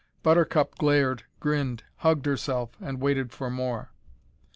Buttercup glared, grinned, hugged herself, and waited for more.